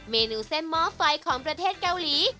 เมนูเส้นหม้อไฟของประเทศเกาหลี